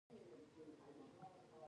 د سپي جنګول په ځینو سیمو کې دود دی.